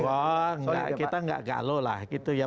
wah kita nggak galau lah gitu ya